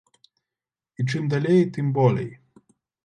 І чым далей, тым болей.